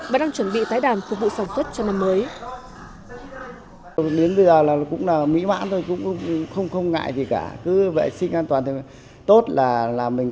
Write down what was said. vụ sản xuất cho năm mới